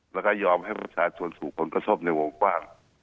มันก็ยอมให้ว่าชาชนสู่คนกระทบในวงกล้าง